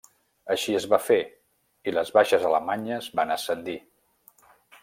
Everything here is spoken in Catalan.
Així es va fer, i les baixes alemanyes van ascendir.